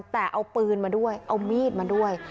แต่เอาปืนมาด้วยเอามีดมาด้วย